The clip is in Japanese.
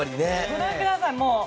ご覧ください。